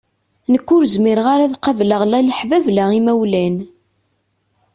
Nekk ur zmireɣ ara ad qableɣ la laḥbab la imawlan.